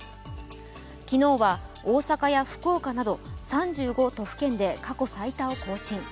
昨日は大阪や福岡など３５都府県で過去最多を更新。